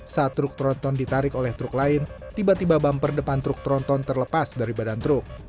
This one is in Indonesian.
saat truk tronton ditarik oleh truk lain tiba tiba bumper depan truk tronton terlepas dari badan truk